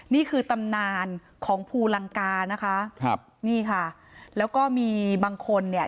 นี่คือตำนานของภูลังกานะคะครับนี่ค่ะแล้วก็มีบางคนเนี่ย